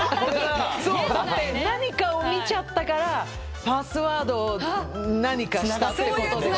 だって何かを見ちゃったからパスワードを何かしたってことでしょ？